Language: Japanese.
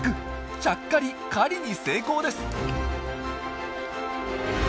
ちゃっかり狩りに成功です！